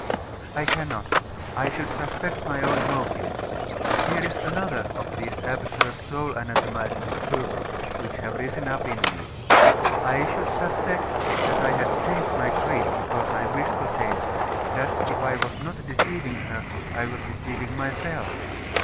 'I cannot. I should suspect my own motives. Here is another of these absurd soul anatomising scruples which have risen up in me. I should suspect that I had changed my creed because I wished to change it that if I was not deceiving her I was deceiving myself.